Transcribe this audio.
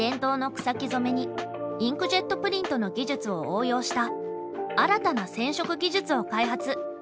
染めにインクジェットプリントの技術を応用した新たな染色技術を開発。